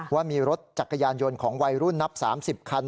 ว่ามีรถจักรยานยนต์ของวัยรุ่นนับ๓๐คัน